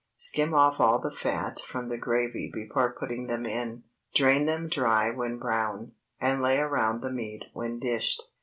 Skim off all the fat from the gravy before putting them in. Drain them dry when brown, and lay around the meat when dished.